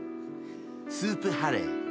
スープ歯レー。